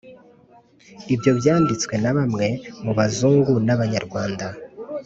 Ibyo byanditswe na bamwe mu Bazungu n'Abanyarwanda.